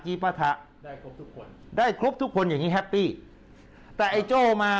ปะถะได้ครบทุกคนได้ครบทุกคนอย่างงี้แฮปปี้แต่ไอ้โจ้มา